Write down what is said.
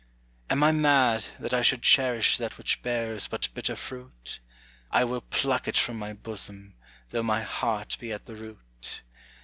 Am I mad, that I should cherish that which bears but bitter fruit? I will pluck it from my bosom, though my heart be at the root.